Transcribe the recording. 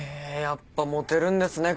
やっぱモテるんですね